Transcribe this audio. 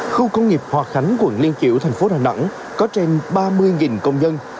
khu công nghiệp hòa khánh quận liên triểu thành phố đà nẵng có trên ba mươi công nhân